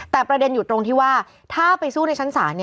แต่ประเด็นอยู่ตรงที่ว่าถ้าไปสู้ในชั้นศาล